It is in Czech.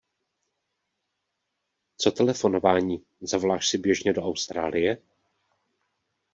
Co telefonování, zavoláš si běžně do Austrálie?